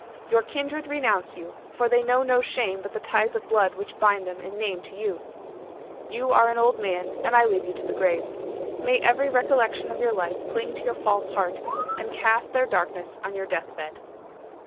Your kindred renounce you, for they know no shame but the ties of blood which bind them in name with you. 'You are an old man, and I leave you to the grave. May every recollection of your life cling to your false heart, and cast their darkness on your death bed.